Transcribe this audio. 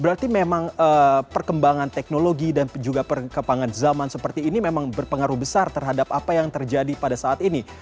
berarti memang perkembangan teknologi dan juga perkembangan zaman seperti ini memang berpengaruh besar terhadap apa yang terjadi pada saat ini